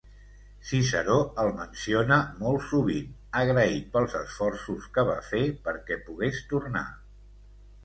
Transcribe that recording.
Ciceró el menciona molt sovint, agraït pels esforços que va fer perquè pogués tornar.